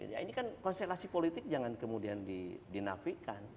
ini kan konsentrasi politik jangan kemudian dinafikan